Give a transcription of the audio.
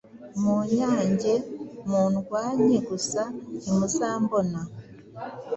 munyange, mundwanye gusa ntimuzambona